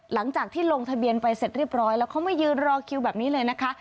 หลังจากที่ลงทะเบียนไปเสร็จเรียบร้อยแล้วเขามายืนรอคิวแบบนี้เลยนะคะ